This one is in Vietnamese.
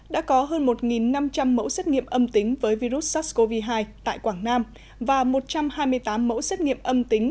đã có hơn một năm trăm linh mẫu xét nghiệm âm tính với virus sars cov hai tại quảng nam và một trăm hai mươi tám mẫu xét nghiệm âm tính